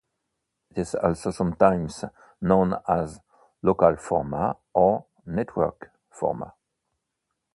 It is also sometimes known as "local format" or "network format".